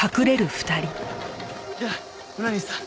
じゃあ村西さん